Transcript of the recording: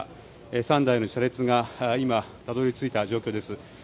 ３台の車列が今たどり着いた状況です。